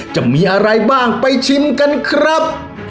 จะมีอะไรบ้างไปชิมกันครับ